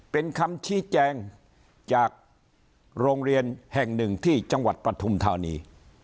เป็นคำชี้แจงจากโรงเรียนแห่งหนึ่งที่จังหวัดปฐุมธานี